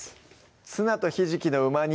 「ツナとひじきのうま煮」